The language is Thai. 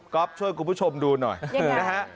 ก็ช่วยคุณผู้ชมดูหน่อยนะฮะ